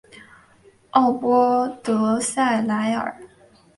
圣波德萨莱尔。